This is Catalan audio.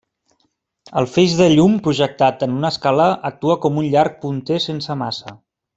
El feix de llum projectat en una escala actua com un llarg punter sense massa.